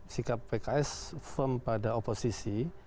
sikap pks firm pada oposisi